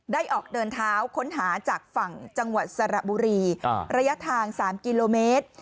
ได้ออกเดินเท้าค้นหาจากฝั่งจังหวัดสระบุรีระยะทาง๓กิโลเมตร